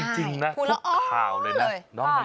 จริงน่ะทุกข่าวเลยนะ